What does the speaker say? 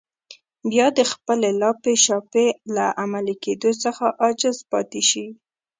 بيا د خپلې لاپې شاپې له عملي کېدو څخه عاجز پاتې شي.